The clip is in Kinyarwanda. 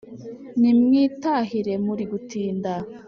nimwitahire muri gutinda